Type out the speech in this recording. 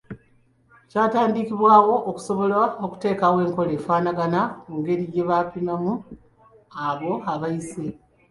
Kyatandikibwawo okusobola okuteekawo enkola efaanagana ku ngeri gye bapimamu abo abayise.